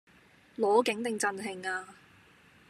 攞景定贈慶呀